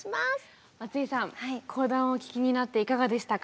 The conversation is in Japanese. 松井さん講談をお聞きになっていかがでしたか？